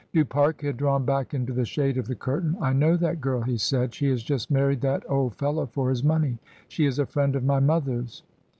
Du Pare had drawn back into the shade of the curtain. "I know that girl," he said; "she has just married that old fellow for his money. She is a friend of my mother's."